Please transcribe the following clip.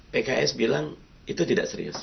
pks bilang itu tidak serius